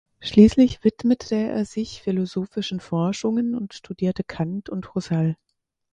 Schließlich widmete er sich philosophischen Forschungen und studierte Kant und Husserl.